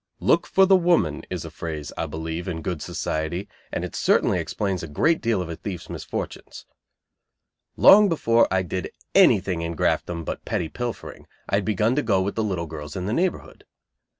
"Look for the woman" is a phrase, I believe, in good society; and it certainly explains a great deal of a thief's misfortunes. Long before I did anything in Graftdom but petty pilfering, I had begun to go with the little girls in the neighborhood.